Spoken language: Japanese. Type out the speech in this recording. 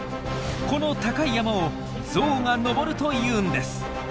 この高い山をゾウが登るというんです。